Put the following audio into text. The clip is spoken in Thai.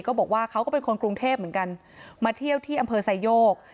บอกว่าเขาก็เป็นคนกรุงเทพเหมือนกันมาเที่ยวที่อำเภอไซโยก